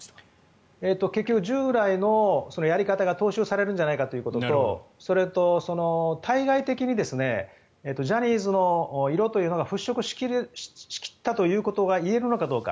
結局従来のやり方が踏襲されるんじゃないかということとそれと、対外的にジャニーズの色というのが払しょくしきったということが言えるのかどうか。